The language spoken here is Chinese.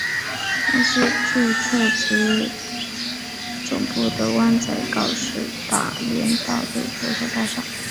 公司注册地及总部在湾仔告士打道联合鹿岛大厦。